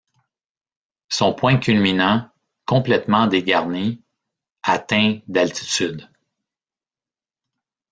Son point culminant, complètement dégarni, atteint d'altitude.